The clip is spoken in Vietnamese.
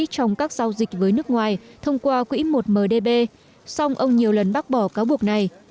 trong các giao dịch với nước ngoài thông qua quỹ một mdb song ông nhiều lần bác bỏ cáo buộc này